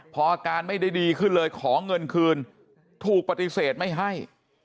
พออาการไม่ได้ดีขึ้นเลยขอเงินคืนถูกปฏิเสธไม่ให้